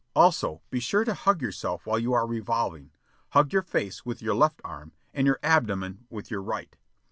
Also, be sure to hug yourself while you are revolving hug your face with your left arm and your abdomen with your right.